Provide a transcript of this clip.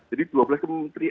jadi dua belas kementeri